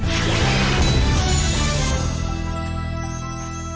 หัว